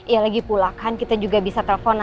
ya lagi pula kan kita juga bisa telepon